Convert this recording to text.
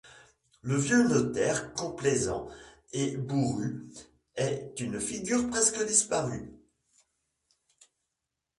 Le vieux notaire complaisant et bourru est une figure presque disparue.